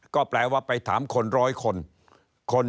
ก็แปลว่าไปถามคนร้อยคน